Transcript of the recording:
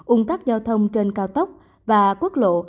ung tắc giao thông trên cao tốc và quốc lộ